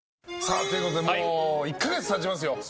ということでもう１か月経ちますよ。